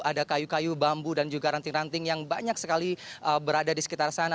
ada kayu kayu bambu dan juga ranting ranting yang banyak sekali berada di sekitar sana